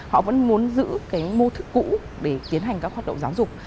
họ vẫn muốn giữ cái mô thức cũ để tiến hành các hoạt động giáo dục